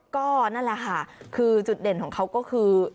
ก็นั่นแหละค่ะคือจุดเด่นของเขาก็คือ